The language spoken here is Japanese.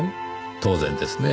当然ですねぇ。